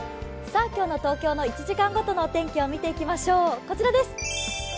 東京の今日の１時間ごとの天気を見ていきましょう。